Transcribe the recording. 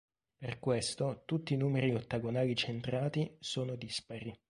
Per questo, tutti i numeri ottagonali centrati sono dispari.